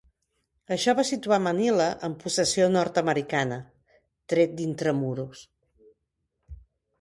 Això va situar Manila en possessió nord-americana, tret d'Intramuros.